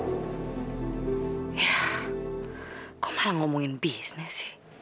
yah kok malah ngomongin bisnis sih